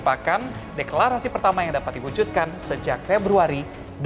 merupakan deklarasi pertama yang dapat diwujudkan sejak februari dua ribu dua puluh